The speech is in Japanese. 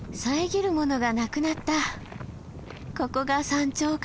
ここが山頂かな？